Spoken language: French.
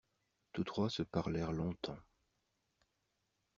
Tous trois se parlèrent longtemps.